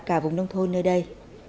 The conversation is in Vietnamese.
cả vùng nông thôn nơi đây